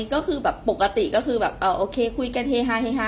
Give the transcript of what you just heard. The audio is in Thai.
ก็คือแบบปกติก็คือแบบโอเคคุยกันเฮฮาเฮฮา